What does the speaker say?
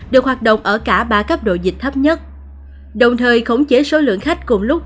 được hoạt động ở cả ba cấp độ dịch thấp nhất đồng thời khống chế số lượng khách cùng lúc